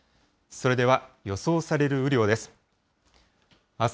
それでは、予想される雨量です。